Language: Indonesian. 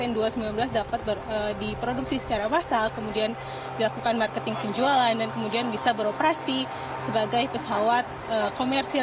n dua ratus sembilan belas dapat diproduksi secara massal kemudian dilakukan marketing penjualan dan kemudian bisa beroperasi sebagai pesawat komersil